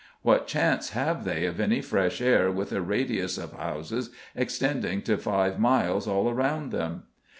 What chance have they of any fresh air with a radius of houses extending to five miles all round them?